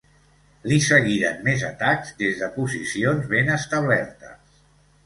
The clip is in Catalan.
Li seguiren més atacs des de posicions ben establertes.